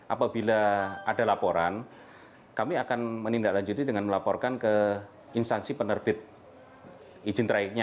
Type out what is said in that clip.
apabila ada laporan kami akan menindaklanjuti dengan melaporkan ke instansi penerbit izin traiknya